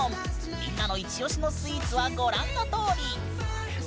みんなのイチオシのスイーツはご覧のとおり！